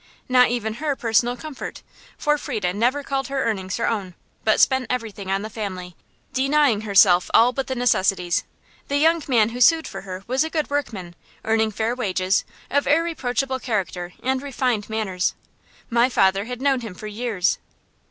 Not even her personal comfort; for Frieda never called her earnings her own, but spent everything on the family, denying herself all but necessities. The young man who sued for her was a good workman, earning fair wages, of irreproachable character, and refined manners. My father had known him for years.